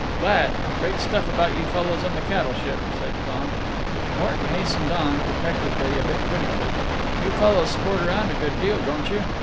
"Glad. Great stuff about you fellows on the cattle ship," said Tom. Morton hastened on, protectively, a bit critically: "You fellows sport around a good deal, don't you?